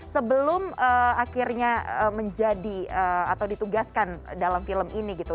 sebelum akhirnya menjadi atau ditugaskan dalam film ini gitu